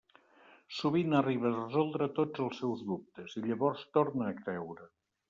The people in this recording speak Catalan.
Sovint arriba a resoldre tots els seus dubtes, i llavors torna a creure.